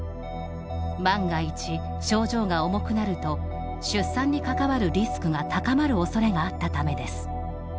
万が一、症状が重くなると出産に関わるリスクが高まるおそれがあったためです。